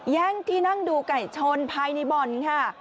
แย่งที่นั่งดูไก่ชนภายในบ่อนค่ะ